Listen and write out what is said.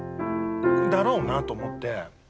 だろうなと思って。